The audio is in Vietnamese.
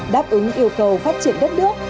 đáp ứng yêu cầu phát triển đất nước